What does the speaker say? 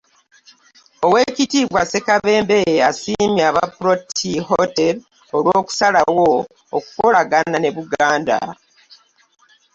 Oweekitiibwa Ssekabembe asiimye aba Protea Hotel olw'okusalawo okukolagana ne Buganda.